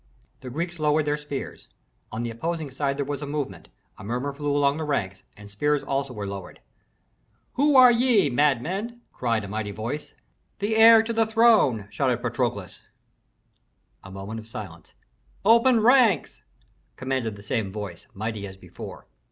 The Greeks lowered their spears. On the opposing side there was a movement, a murmur flew along the ranks, and spears also were lowered. "Who are ye, madmen?" asked a mighty voice. "The heir to the throne!" shouted Patrokles. A moment of silence. "Open ranks!" commanded the same voice, mighty as before.